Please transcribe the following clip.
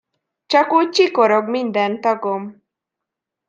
Csak úgy csikorog minden tagom!